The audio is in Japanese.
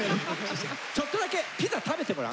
ちょっとだけピザ食べてごらん。